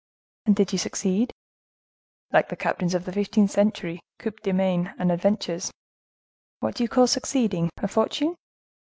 "And did you succeed?" "Like the captains of the fifteenth century, coups de main and adventures." "What do you call succeeding?—a fortune?"